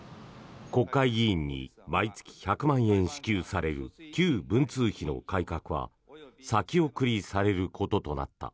国会議員に毎月１００万円支給される旧文通費の改革は先送りされることとなった。